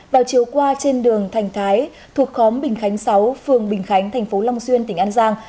vào chiều qua trên đường thành thái thuộc khóm bình khánh sáu phường bình khánh thành phố long xuyên tỉnh an giang